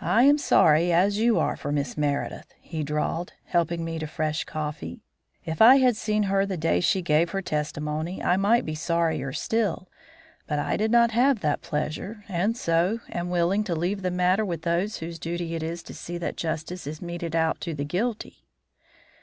"I am as sorry as you are for Miss Meredith," he drawled, helping me to fresh coffee. "If I had seen her the day she gave her testimony I might be sorrier still; but I did not have that pleasure, and so am willing to leave the matter with those whose duty it is to see that justice is meted out to the guilty."